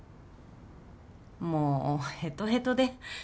もうへとへとで。